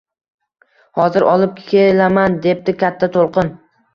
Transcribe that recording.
– Hozir olib kelaman, – debdi Katta to‘lqin